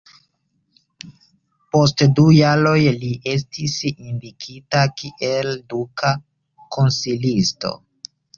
Post du jaroj li estis indikita kiel duka konsilisto.